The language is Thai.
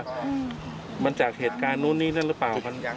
ถ้าบอกว่ามันจากเหตุการณ์นู่นนี่นั่นหรือเปล่า